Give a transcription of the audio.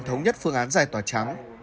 thống nhất phương án giải tỏa trắng